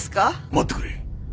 待ってくれ。